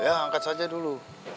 ya angkat saja dulu